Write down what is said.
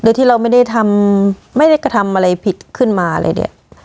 โดยที่เราไม่ได้ทำไม่ได้กระทำอะไรผิดขึ้นมาอะไรเนี่ย